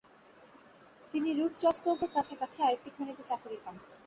তিনি রুটচঙ্কোভো'র কাছাকাছি আরেকটি খনিতে চাকুরী পান।